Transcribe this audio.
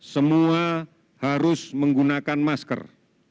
semua harus menggunakan masker